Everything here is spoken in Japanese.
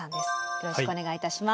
よろしくお願いします。